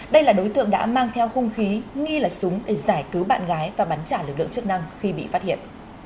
đây là đối tượng đã mang theo hung khí nghi là súng để giải cứu bạn gái và bắn trả lực lượng chức năng khi bị phát hiện